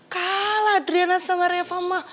kalah adriana sama reva ma